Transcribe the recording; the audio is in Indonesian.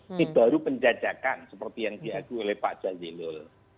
ini baru penjajakan seperti yang diagui oleh pak jadilul